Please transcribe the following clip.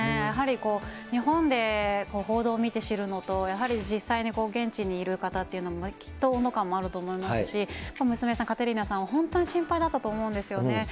やはり日本で報道を見て知るのと、やはり実際に現地にいる方っていうのはきっと温度感もあると思いますし、娘さん、カテリーナさんは本当に心配だったと思うんですよね。